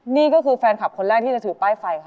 นี่ก็คือแฟนคลับคนแรกที่จะถือป้ายไฟค่ะ